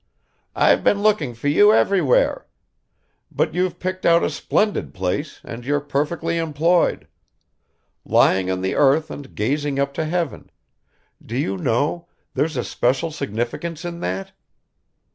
"I've been looking for you everywhere ... But you've picked out a splendid place and you're perfectly employed. Lying on the earth and gazing up to heaven do you know there's a special significance in that?"